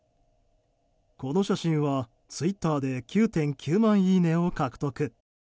この写真はツイッターで９．９万いいねを獲得。